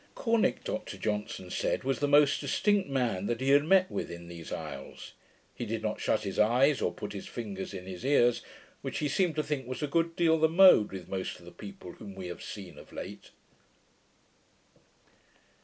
Corneck, Dr Johnson said, was the most distinct man that he had met with in these isles; he did not shut his eyes, or put his fingers in his ears, which he seemed to think was a good deal the mode with most of the people whom we have seen of late.